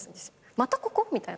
またここ？みたいな。